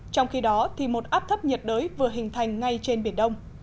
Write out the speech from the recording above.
trong khi đó một áp thấp nhiệt đới vừa hình thành ngay trên biển đông